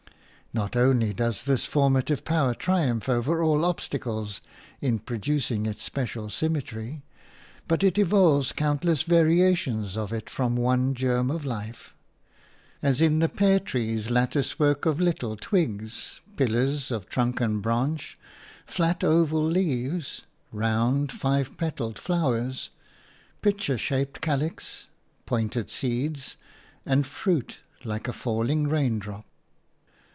Not only does this formative power triumph over all obstacles in producing its special symmetry, but it evolves countless variations of it from one germ of life – as in the pear tree's lattice work of little twigs, pillars of trunk and branch, flat oval leaves, round five petalled flowers, pitcher shaped calix, pointed seeds and fruit like a falling raindrop.